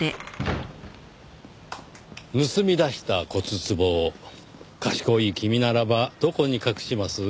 盗み出した骨壺を賢い君ならばどこに隠します？